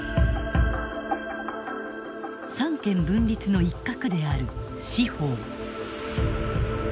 三権分立の一角である司法。